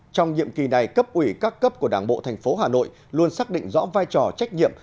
trong nhiệm kỳ này cấp ủy các cấp của đảng bộ thành phố hà nội luôn xác định rõ vai trò trách nhiệm